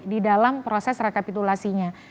di dalam proses rekapitulasinya